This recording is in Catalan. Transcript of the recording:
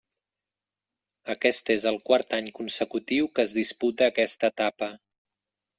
Aquest és el quart any consecutiu que es disputa aquesta etapa.